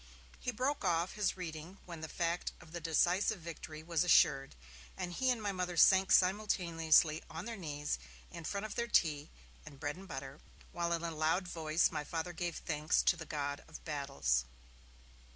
He broke off his reading when the fact of the decisive victory was assured, and he and my Mother sank simultaneously on their knees in front of their tea and bread and butter, while in a loud voice my Father gave thanks to the God of Battles.